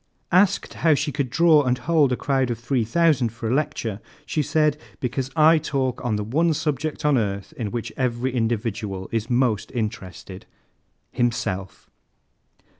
Asked how she could draw and hold a crowd of 3,000 for a lecture, she said: 'Because I talk on the one subject on earth in which every individual is most interested himself.'"